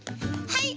はい！